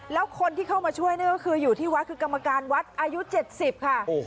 แล้วคนที่เข้ามาช่วยคือยู่ที่วัดคือกรรมการวัดอายุเจ็ดสิบค่ะ